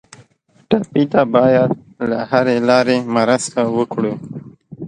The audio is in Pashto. ټپي ته باید له هرې لارې مرسته وکړو.